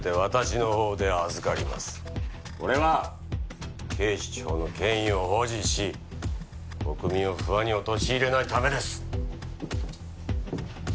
これは警視庁の権威を保持し国民を不安に陥れないためです。